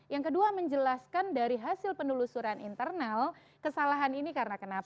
yang kedua menjelaskan dari hasil penelusuran internal kesalahan ini karena kenapa